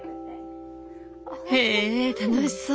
へえ楽しそう。